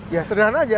ya sederhana aja